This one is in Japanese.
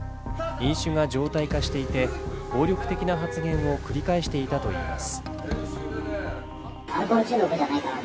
飲酒が常態化していて暴力的な発言を繰り返していたといいます。